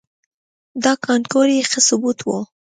دا کانکور یې ښه ثبوت و.